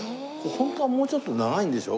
ホントはもうちょっと長いんでしょ？